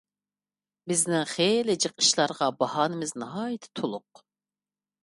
بىزنىڭ خېلى جىق ئىشلارغا باھانىمىز ناھايىتى تولۇق.